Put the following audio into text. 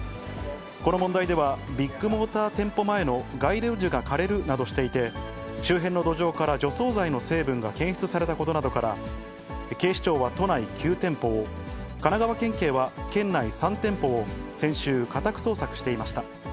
この問題では、ビッグモーター店舗前の街路樹が枯れるなどしていて、周辺の土壌から除草剤の成分が検出されたことなどから、警視庁は都内９店舗を、神奈川県警は県内３店舗を先週、家宅捜索していました。